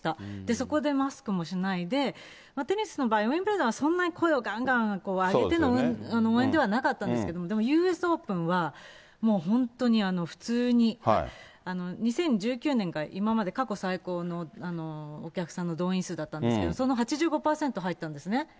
そこでマスクもしないで、テニスの場合、ウインブルドンはそんなに声をがんがん上げての応援ではなかったんですけど、でも、ＵＳオープンは本当に普通に、２０１９年から今まで過去最高のお客さんの動員数だったんですけど、その８５％入ったんですね。